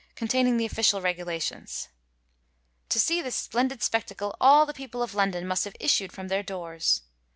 containing the official regulations.^ To see this splendid spectacle all the people of London must have issued from their doors.